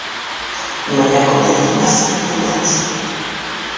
Mañá comezan as semifinais.